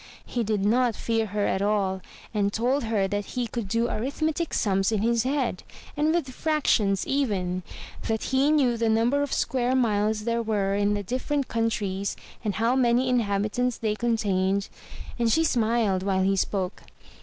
He did not fear her at all, and told her that he could do arithmetic sums in his head, and with fractions even; that he knew the number of square miles there were in the different countries, and how many inhabitants they contained; and she smiled while he spoke.